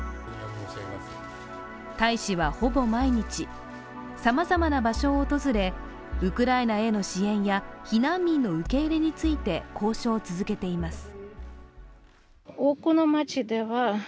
大使はほぼ毎日、さまざまな場所を訪れウクライナへの支援や避難民の受け入れについて交渉を続けています。